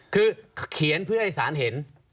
คือเขียนเพื่อให้ศาลเห็น